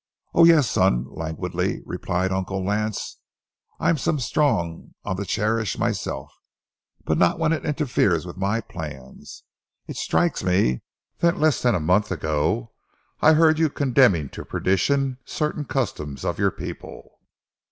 "Oh, yes, son," languidly replied Uncle Lance. "I'm some strong on the cherish myself, but not when it interferes with my plans. It strikes me that less than a month ago I heard you condemning to perdition certain customs of your people.